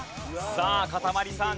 さあかたまりさん